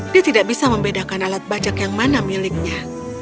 dia tidak bisa membedakan alat bajak yang mana miliknya